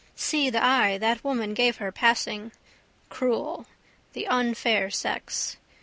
See the eye that woman gave her, passing. Cruel. The unfair sex.